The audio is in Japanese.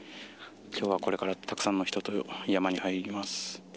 きょうはこれからたくさんの人と山に入ります。